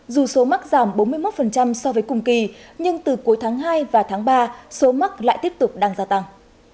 dù số mắc giảm bốn mươi một so với cùng kỳ nhưng từ cuối tháng hai và tháng ba số mắc lại tiếp tục đang gia tăng